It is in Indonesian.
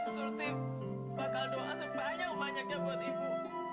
surtib bakal doa sebanyak banyaknya buat ibu